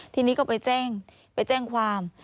ทีนี้เขาไปแจ้งความ